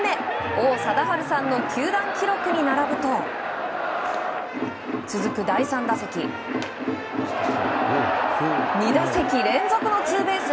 王貞治さんの球団記録に並ぶと続く第３打席２打席連続のツーベース。